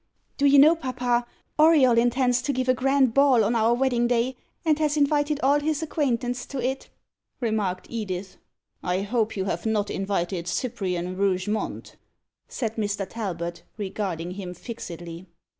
"Do you know, papa, Auriol intends to give a grand ball on our wedding day, and has invited all his acquaintance to it?" remarked Edith. "I hope you have not invited Cyprian Rougemont?" said Mr. Talbot, regarding him fixedly.